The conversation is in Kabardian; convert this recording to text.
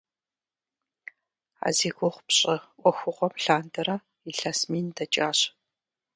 А зи гугъу пщӏы ӏуэхугъуэм лъандэрэ илъэс мин дэкӏащ.